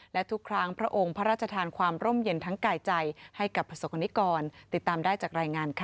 และทุกครั้งพระองค์พระราชทานความร่มเย็นทั้งกายใจให้กับประสบกรณิกรติดตามได้จากรายงานค่ะ